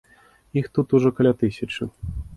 Іх тут ужо каля тысячы!